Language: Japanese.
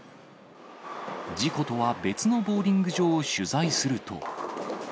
事故とは別のボウリング場を取材すると。